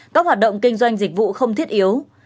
các hoạt động kinh doanh dịch vụ không thiết yếu